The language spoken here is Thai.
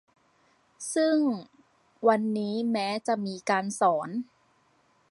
ซึ่งวันนี้แม้จะมีการสอน